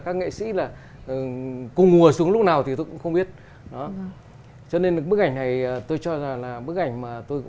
các nghệ sĩ là cùng mùa xuống lúc nào thì tôi cũng không biết cho nên bức ảnh này tôi cho rằng là bức ảnh mà tôi